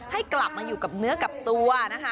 ให้กลับมาอยู่กับเนื้อกับตัวนะคะ